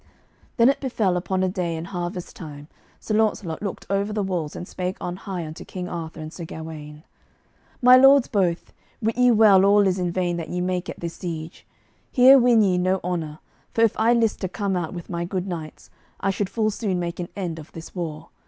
Then it befell upon a day in harvest time, Sir Launcelot looked over the walls, and spake on high unto King Arthur and Sir Gawaine: "My lords both, wit ye well all is in vain that ye make at this siege; here win ye no honour, for if I list to come out with my good knights, I should full soon make an end of this war.